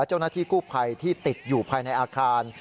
เจ้าหน้าที่กู้ภัยที่ติดอยู่ภายในอาคาร